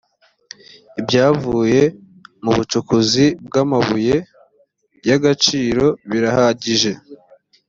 ibyavuye mu bucukuzi bwamabuye yagaciro birahagije.